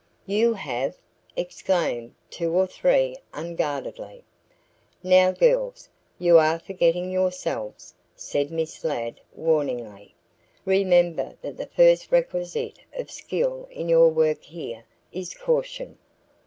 "You have!" exclaimed two or three unguardedly. "Now, girls, you are forgetting yourselves," said Miss Ladd warningly. "Remember that the first requisite of skill in your work here is caution.